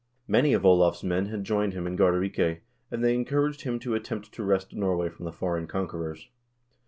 Many of Olav's men had joined him in Gardarike, and they encouraged him to attempt to wrest Norway from the foreign conquerors.